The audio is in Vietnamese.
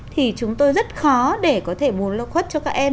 thì chúng tôi rất khó để có thể bùn lốc khuất cho các em